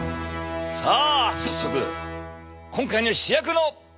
さあ早速今回の主役の登場だ！